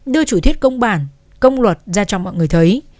đưa chủ thuyết công bản công luật ra cho mọi người thấy